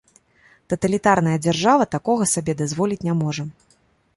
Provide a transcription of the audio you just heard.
Таталітарная дзяржава такога сабе дазволіць не можа.